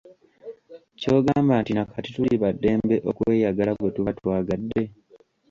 Ky’ogamba nti nakati tuli ba ddembe okweyagala bwetuba twagadde?